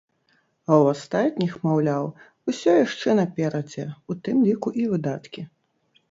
А ў астатніх, маўляў, усё яшчэ наперадзе, у тым ліку і выдаткі.